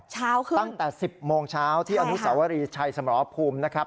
ช้าวขึ้นใช่ค่ะตั้งแต่๑๐โมงเช้าที่อนุสวรีชัยสมรพภูมินะครับ